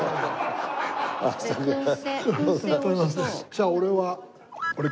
じゃあ俺はこれ。